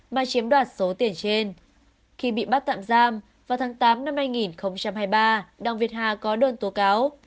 mà chiếm đoạt số tiền trên khi bị bắt tạm giam vào tháng tám năm hai nghìn hai mươi ba đặng việt hà có đơn tố cáo